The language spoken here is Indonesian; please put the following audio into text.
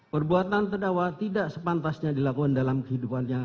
perbuatan terdakwa tidak sepantasnya dilakukan dalam kehidupannya